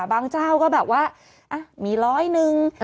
เจ้าก็แบบว่ามีร้อยหนึ่ง